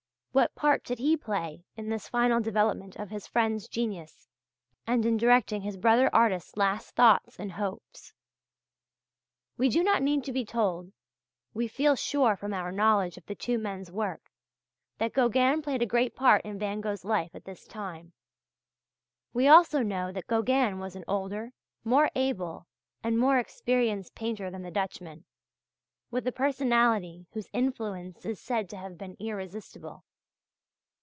What part did he play in this final development of his friend's genius and in directing his brother artist's last thoughts and hopes? We do not need to be told, we feel sure from our knowledge of the two men's work, that Gauguin played a great part in Van Gogh's life at this time. We also know that Gauguin was an older, more able, and more experienced painter than the Dutchman, with a personality whose influence is said to have been irresistible.